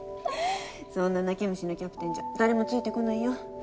そんな泣き虫なキャプテンじゃ誰もついてこないよ。